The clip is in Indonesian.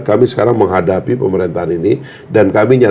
kami sekarang menghadapi pemerintahan ini